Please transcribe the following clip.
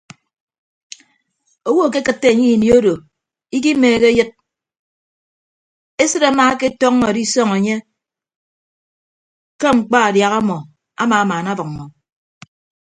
Owo akekịtte enye ini odo ikimeehe eyịd esịt amaaketọñọ edisọñ enye ke mkpa adiaha amọ amamaanabʌññọ.